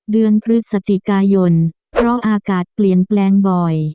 เดือนพฤศจิกายนเพราะอากาศเปลี่ยนแปลงบ่อย